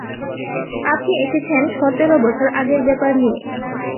আপনি এসেছেন সতের বছর আগের ব্যাপার নিয়ে।